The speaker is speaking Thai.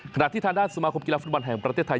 ขณะที่ทางด้านสมาคมกีฬาฟุตบอลแห่งประเทศไทย